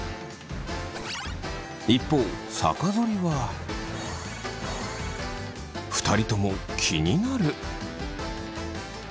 一方逆ぞりは２人とも「気になる」。